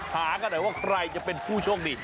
หากันหน่อยว่าใครจะเป็นผู้โชคดี